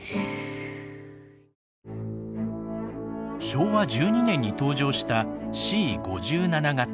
昭和１２年に登場したＣ５７形。